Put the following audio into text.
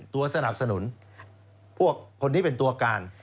ตัวสนับสนุนพวกคนที่เป็นตัวการ